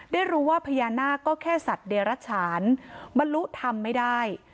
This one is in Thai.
ได้รู้ว่าพญานาคก็แค่สัตว์เดรัชฉานบรรลุธรรมไม่ได้